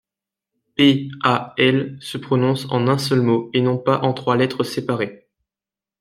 P·A·L se prononce en un seul mot, et non pas en trois lettres séparées.